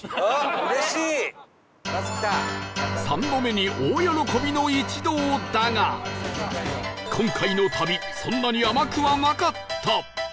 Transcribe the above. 「３」の目に大喜びの一同だが今回の旅そんなに甘くはなかった